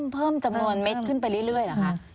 เพิ่มจำนวนเม็ดขึ้นไปเรื่อยเหรอคะ